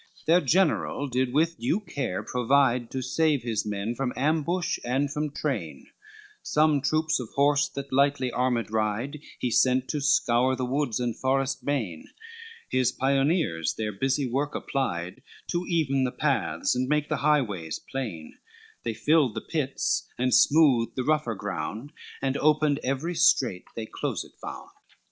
LXXIV Their general did with due care provide To save his men from ambush and from train, Some troops of horse that lightly armed ride He sent to scour the woods and forests main, His pioneers their busy work applied To even the paths and make the highways plain, They filled the pits, and smoothed the rougher ground, And opened every strait they closed found.